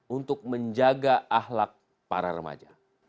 untuk menjaga ahlak para remaja